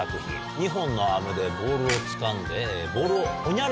２本のアームでボールをつかんで。